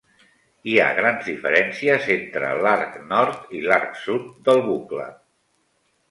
Hi ha grans diferències entre l'arc nord i l'arc sud del bucle.